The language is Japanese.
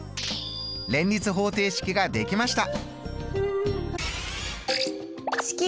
連立方程式ができました！